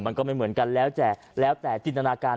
มันก็ไม่เหมือนกันแล้วแต่แล้วแต่จินตนาการ